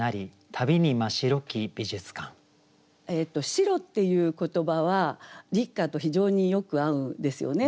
「白」っていう言葉は立夏と非常によく合うんですよね。